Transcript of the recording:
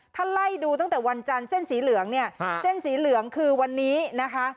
ถ้าไล่ดูตั้งแต่วันจันทร์เส้นสีเหลืองเนี่ยเส้นสีเหลืองคือวันนี้นะคะ